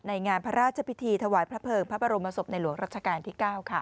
งานพระราชพิธีถวายพระเภิงพระบรมศพในหลวงรัชกาลที่๙ค่ะ